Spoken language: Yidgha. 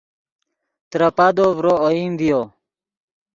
ترے پادو ڤرو اوئیم ڤیو